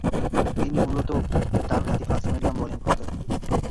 তিনি মূলতঃ ডানহাতি ফাস্ট-মিডিয়াম বোলিং করতেন।